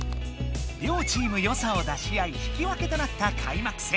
りょうチームよさを出し合い引き分けとなったかいまく戦。